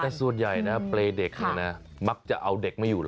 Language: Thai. แต่ส่วนใหญ่นะบริเวณเด็กแนวเนี่ยมักจะเอาเด็กไม่อยู่เหรอ